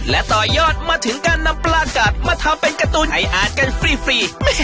และต่อยอดมาถึงการนำปลากาดมาทำเป็นการ์ตูนให้อาจกันฟรี